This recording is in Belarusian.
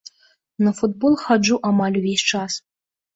На футбол хаджу амаль увесь час.